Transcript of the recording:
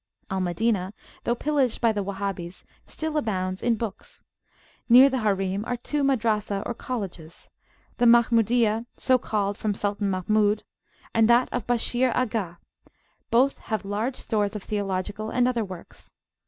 Al Madinah, though pillaged by the Wahhabis, still abounds in books. Near the Harim are two Madrasah or colleges, the Mahmudiyah, so called from Sultan Mahmud, and that of Bashir Agha: both have large stores of theological and other works.